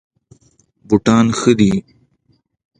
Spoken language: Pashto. بوټان ښه دي.